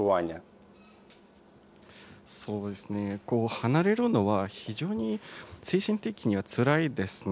離れるのは非常に精神的にはつらいですね。